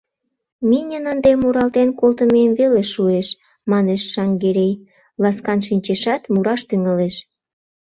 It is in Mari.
— Миньын ынде муралтен колтымем веле шуэш, — манеш Шаҥгерей, ласкан шинчешат, мураш тӱҥалеш: